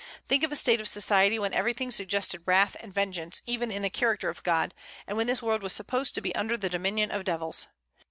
Think of a state of society when everything suggested wrath and vengeance, even in the character of God, and when this world was supposed to be under the dominion of devils!